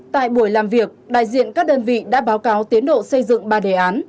tại buổi làm việc đại diện các đơn vị đã báo cáo tiến độ xây dựng ba đề án